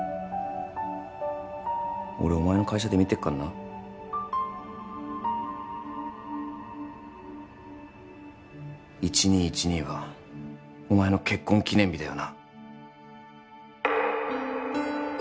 俺お前の会社で見てっかんな１２１２はお前の結婚記念日だよな？